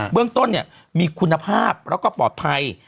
เรื่องต้นมีคุณภาพแล้วก็ปลอดภัย